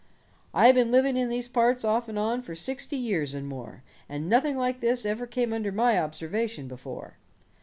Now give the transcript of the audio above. I been living in these parts, off and on, for sixty years and more, and nothing like this ever came under my observation before.